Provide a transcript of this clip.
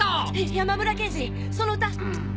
山村刑事その歌！